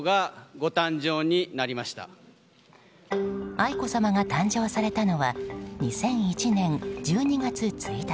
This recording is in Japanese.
愛子さまが誕生されたのは２００１年１２月１日。